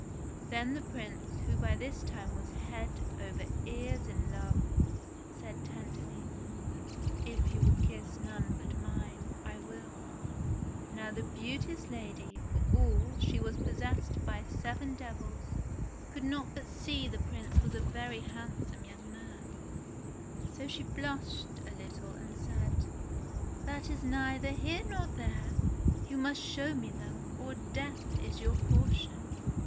Then the Prince, who by this time was head over ears in love, said tenderly, "If you will kiss none but mine, I will." Now the beauteous lady for all she was possessed by seven devils could not but see that the Prince was a very handsome young man ; so she blushed a little, and said : 92 ENGLISH FAIRY TALES "That is neither here nor there : you must show me them, or death is your portion."